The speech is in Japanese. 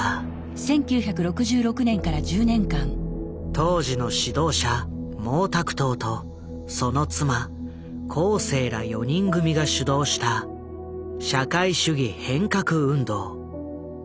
当時の指導者毛沢東とその妻江青ら四人組が主導した社会主義変革運動。